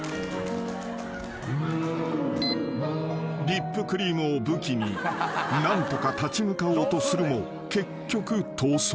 ［リップクリームを武器に何とか立ち向かおうとするも結局逃走］